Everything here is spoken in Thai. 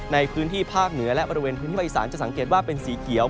ในพื้นที่ภาคเหนือและบริเวณพื้นที่ภาคอีสานจะสังเกตว่าเป็นสีเขียว